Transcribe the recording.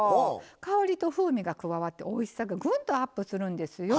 香りと風味が加わっておいしさがグンとアップするんですよ。